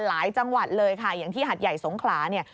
หลายจังหวัดเลยค่ะอย่างที่หัดใหญ่สงขลาเนี่ย